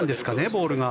ボールが。